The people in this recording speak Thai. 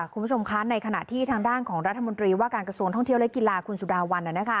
คุณผู้ชมคะในขณะที่ทางด้านของรัฐมนตรีว่าการกระทรวงท่องเที่ยวและกีฬาคุณสุดาวัน